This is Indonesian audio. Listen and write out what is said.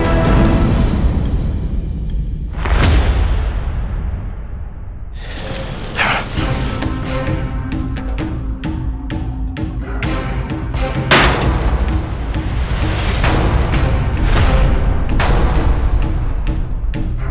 suara siapa itu mas